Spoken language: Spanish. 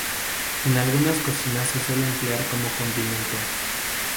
En algunas cocinas se suele emplear como condimento.